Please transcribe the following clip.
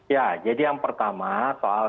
ya jadi yang pertama soal